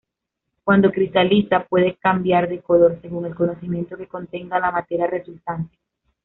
Cuando cristaliza puede cambiar de color, según el conocimiento que contenga la materia resultante.